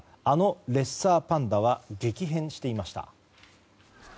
あのレッサーパンダは激変していました。